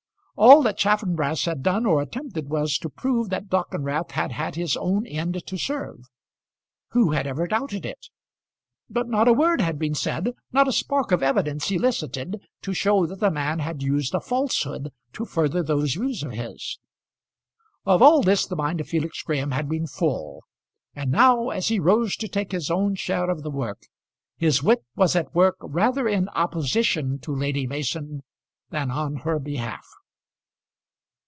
All that Chaffanbrass had done or attempted was to prove that Dockwrath had had his own end to serve. Who had ever doubted it? But not a word had been said, not a spark of evidence elicited, to show that the man had used a falsehood to further those views of his. Of all this the mind of Felix Graham had been full; and now, as he rose to take his own share of the work, his wit was at work rather in opposition to Lady Mason than on her behalf.